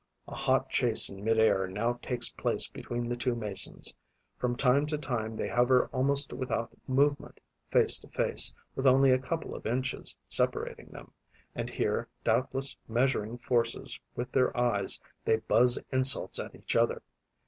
A hot chase in mid air now takes place between the two Masons. From time to time, they hover almost without movement, face to face, with only a couple of inches separating them, and here, doubtless measuring forces with their eyes, they buzz insults at each other.